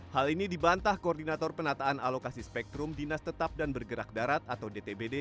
hal ini dibantah koordinator penataan alokasi spektrum dinas tetap dan bergerak darat atau dtbd